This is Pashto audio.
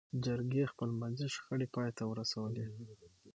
جرګې خپلمنځي شخړې پای ته ورسولې.